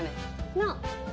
なあ？